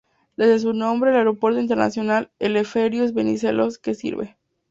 Debe su nombre al Aeropuerto Internacional Eleftherios Venizelos, que sirve.